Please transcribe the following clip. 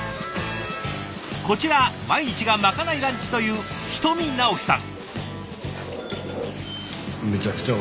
こちら毎日がまかないランチという人見直輝さん。